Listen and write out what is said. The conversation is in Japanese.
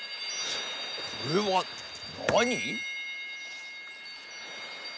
これはなに？